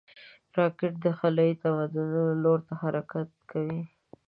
راکټ د خلایي تمدنونو لور ته حرکت کوي